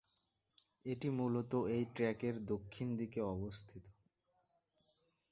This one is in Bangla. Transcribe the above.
এটি মূলত এই ট্র্যাকের দক্ষিণ দিকে অবস্থিত।